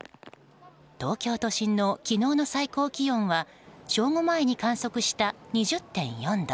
東京都心の昨日の最高気温は正午前に観測した２０．４度。